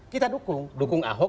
kita dukung dukung ahok